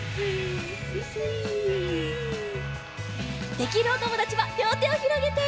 できるおともだちはりょうてをひろげて！